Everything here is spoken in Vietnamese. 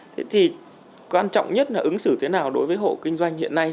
thế thì quan trọng nhất là ứng xử thế nào đối với hộ kinh doanh hiện nay